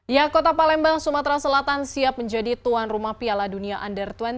ya kota palembang sumatera selatan siap menjadi tuan rumah piala dunia under dua puluh